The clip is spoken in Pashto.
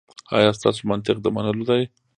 ایا ستاسو منطق د منلو دی؟